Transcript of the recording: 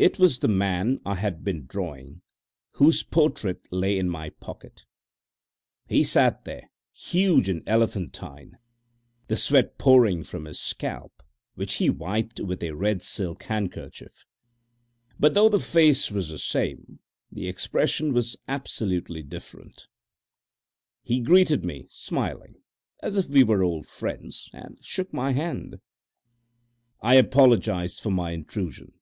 It was the man I had been drawing, whose portrait lay in my pocket. He sat there, huge and elephantine, the sweat pouring from his scalp, which he wiped with a red silk handkerchief. But though the face was the same, the expression was absolutely different. He greeted me smiling, as if we were old friends, and shook my hand. I apologised for my intrusion.